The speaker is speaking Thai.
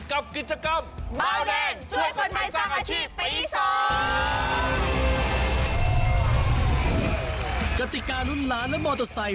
กับกิจกรรม